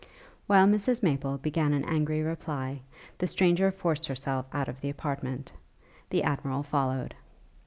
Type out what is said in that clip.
While Mrs Maple began an angry reply, the stranger forced herself out of the apartment. The Admiral followed.